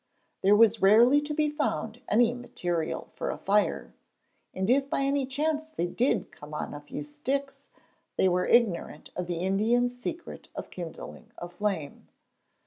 There was rarely to be found any material for a fire, and if by any chance they did come on a few sticks, they were ignorant of the Indians' secret of kindling a flame.